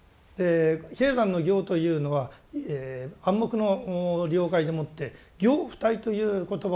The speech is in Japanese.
比叡山の行というのは暗黙の了解でもって「行不退」という言葉を言います。